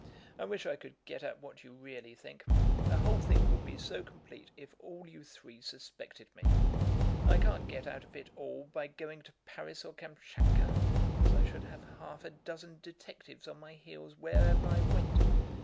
I wish I could get at what you really think. The whole thing would be so complete if all you three suspected me. I can't get out of it all by going to Paris or Kamschatka, as I should have half a dozen detectives on my heels wherever I went.